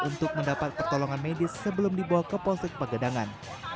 untuk mendapat pertolongan medis sebelum dibawa ke polsek pegadangan